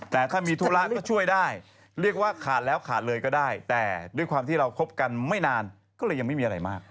แต่ถ้ามีธุระก็ช่วยได้เรียกว่าขาดแล้วขาดเลยก็ได้แต่ด้วยความที่เราคบกันไม่นานก็เลยยังไม่มีอะไรมาก